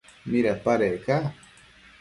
¿midapadec ca?